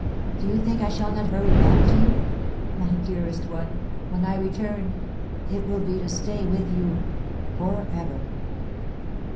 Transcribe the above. Do you think I shall not hurry back to you? My dearest one, when I return, it will be to stay with you for ever."